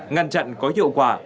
ngăn chặn có hiệu quả